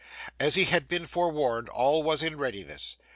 As he had been forewarned, all was in readiness.